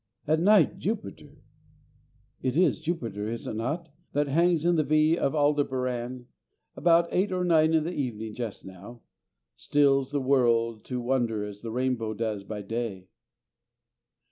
At night, Jupiter it is Jupiter, is it not? that hangs in the V of Aldebaran about eight or nine in the evening just now stills the world to wonder as the rainbow does by day.